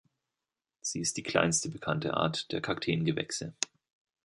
Sie ist die kleinste bekannte Art der Kakteengewächse.